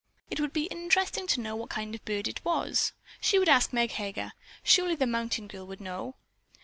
It would be interesting to know what kind of a bird it was. She would ask Meg Heger. Surely the mountain girl would know.